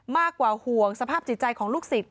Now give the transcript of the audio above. มากกว่าห่วงสภาพจิตใจของลูกศิษย